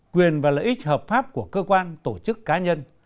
quyền và lợi ích hợp pháp của cơ quan tổ chức cá nhân